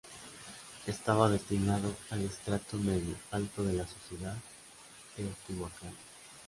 Estaba destinado al estrato medio-alto de la sociedad teotihuacana.